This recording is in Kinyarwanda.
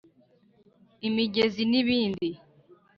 imigezi n’ibindi